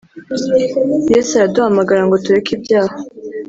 Yesu araduhamagara ngo tureke ibyaha